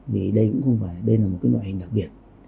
vì đây cũng không phải đây là một cái nội hình đặc biệt